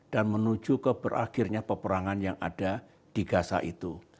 dan menuju ke berakhirnya peperangan yang ada di gaza itu